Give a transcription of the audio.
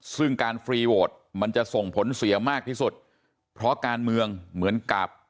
ซึ่งการฟรีโหวตมันจะส่งผลเสียมากที่สุดเพราะการเมืองเหมือนกับ